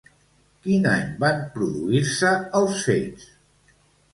Quin any van produir-se els fets?